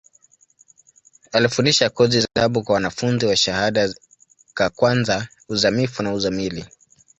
Alifundisha kozi za hesabu kwa wanafunzi wa shahada ka kwanza, uzamivu na uzamili.